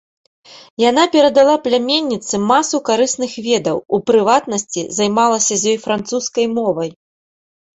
Яна перадала пляменніцы масу карысных ведаў, у прыватнасці, займалася з ёй французскай мовай.